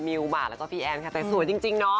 หมากแล้วก็พี่แอนค่ะแต่สวยจริงเนาะ